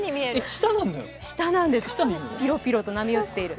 舌なんです、ピロピロと波打っている。